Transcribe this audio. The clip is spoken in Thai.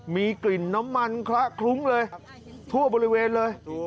มีกลิ่นน้ำมันคละคลุ้งเลยทั่วบริเวณเลย